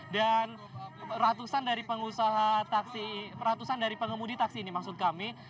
dan ratusan dari pengusaha taksi ratusan dari pengemudi taksi ini maksud kami